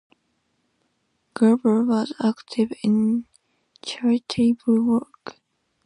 Gerber was active in charitable work.